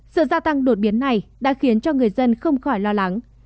sự gia tăng đột biến này đã khiến cho người dân không khỏi lo lắng